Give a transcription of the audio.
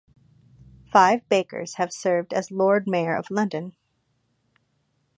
Five bakers have served as lord mayor of London.